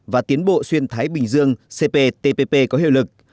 và tiến bộ xuyên thái bình dương cptpp có hiệu lực